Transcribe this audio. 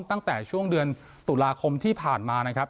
ตั้งแต่ช่วงเดือนตุลาคมที่ผ่านมานะครับ